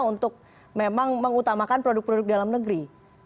untuk memang mengutamakan produk produk dalam negeri